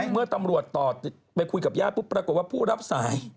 เมื่อตำรวจต่อไปคุยกับญาติปุ๊บปรากฏว่าผู้รับสาย